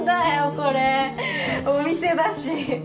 これお店だし